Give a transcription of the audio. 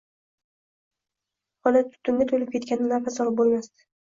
Xona tutunga to`lib ketganidan nafas olib bo`lmasdi